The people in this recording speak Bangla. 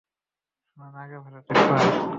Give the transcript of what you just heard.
শুনেন, আগে ভাষা ঠিক করেন।